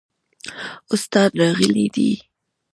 استاد راغلی دی؟